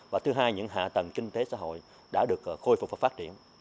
và thứ hai những hạ tầng kinh tế xã hội đã được khôi phục và phát triển